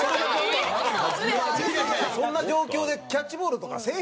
そんな状況でキャッチボールとかせえへんで多分。